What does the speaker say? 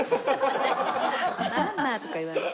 まあまあとか言わない。